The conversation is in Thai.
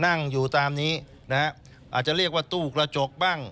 นั่งอยู่ตามนี้นะฮะอาจจะเรียกว่าตู้กระจกบ้าง